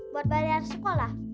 buat bayaran sekolah